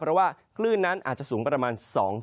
เพราะว่าคลื่นนั้นอาจจะสูงประมาณ๒๐